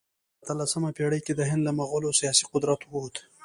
په اتلسمه پېړۍ کې د هند له مغولو سیاسي قدرت ووت.